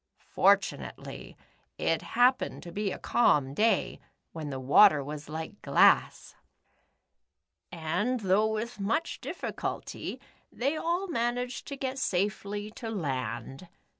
For tunately, it happened to be a calm day, when the water was like glass, and, though with much diffi culty, they all managed to get safely to land.